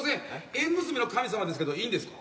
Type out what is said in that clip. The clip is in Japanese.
縁結びの神様ですけどいいんですか？